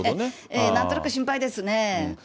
なんとなく心配ですね。